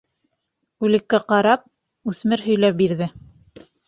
Үлеккә ҡарап, үҫмер һөйләп бирҙе.